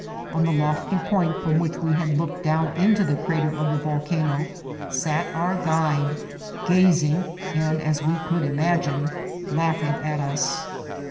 On the lofty point from which we' had looked down into the crater of the volcano sat our guide, gazing, and, as we could imagine, laughing at us.